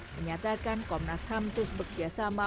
menyatakan komnas ham terus bekerjasama